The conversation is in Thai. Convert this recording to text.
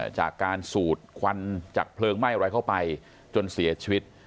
จากการสูดควันจากเพลิงไหม้อะไรเข้าไปจนเสียชีวิต